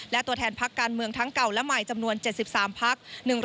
และตัวแทนพักการเมืองทั้งเก่าและใหม่จำนวน๗๓พัก